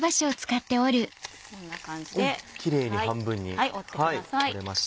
きれいに半分に折れました。